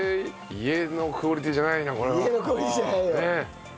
家のクオリティーじゃないよ。